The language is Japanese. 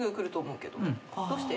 どうして？